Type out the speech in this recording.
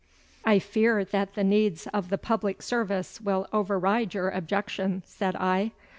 'I fear that the needs of the public service will override your objection,' said I.